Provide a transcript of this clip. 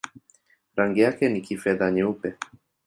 Rangi yake ni kifedha-nyeupe.